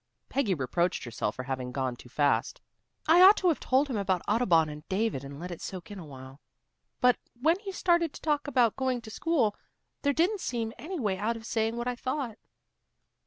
Peggy reproached herself for having gone too fast. "I ought to have told him about Audubon and David and let it soak in awhile. But when he started to talk about going to school, there didn't seem any way out of saying what I thought."